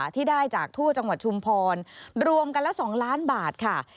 ที่ได้จากทั่วจังหวัดชุมพรรวมกันละ๒ล้านบาทค่ะ